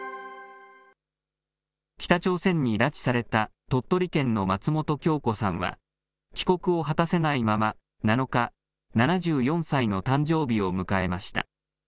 北朝鮮に拉致された鳥取県の松本京子さんは、帰国を果たせないまま７日、７４歳の誕生日を迎えました。